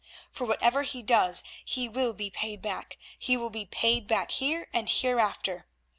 For whatever he does he will be paid back; he will be paid back here and hereafter.